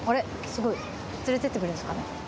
すごい。連れてってくれるんですかね？